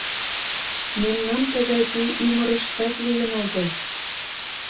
Мемнан тыгай пий ӱмырыштат лийын огыл!